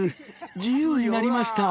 自由になりました。